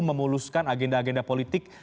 memuluskan agenda agenda politik